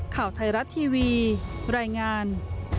ข่าวไทยรัฐทีวีรายงาน